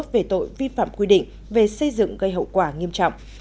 về tội vi phạm quy định về xây dựng gây hậu quả nghiêm trọng